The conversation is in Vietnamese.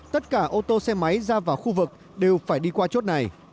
tất cả ô tô xe máy ra vào khu vực đều phải đi qua chốt này